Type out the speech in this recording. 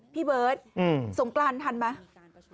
พี่เบิร์ตสงกรานทันไหม